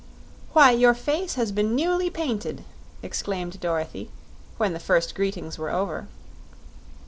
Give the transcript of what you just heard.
"Why, your face has been newly painted!" exclaimed Dorothy, when the first greetings were over.